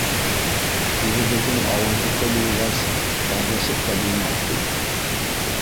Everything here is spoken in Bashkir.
— Үҙебеҙҙең ауылдыҡы булғас, әрләшеп тә булмаҫ бит